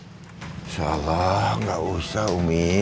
insya allah nggak usah umi